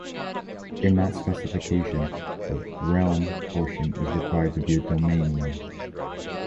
In that specification, the 'realm' portion is required to be a domain name.